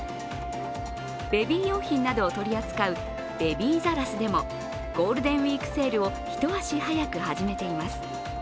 ベビー用品などを取り扱うベビーザらスでも、ゴールデンウイークセールを一足早く始めています。